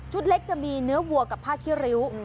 เห็นมั้ยครับอืม